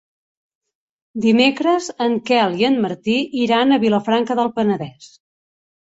Dimecres en Quel i en Martí iran a Vilafranca del Penedès.